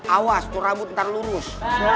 awas tuh rambut ntar lurus